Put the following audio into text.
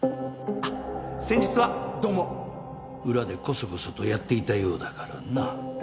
あっ先日はどうも裏でこそこそとやっていたようだからな。